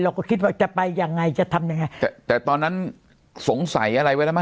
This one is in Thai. เราก็คิดว่าจะไปยังไงจะทำยังไงแต่ตอนนั้นสงสัยอะไรไว้แล้วมั